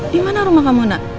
dimana rumah kamu nak